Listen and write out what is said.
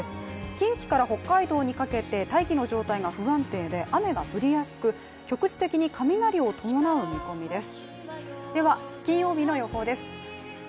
近畿から北海道にかけて大気の状態が不安定で雨が降りやすく局地的に雷を伴う見込みです。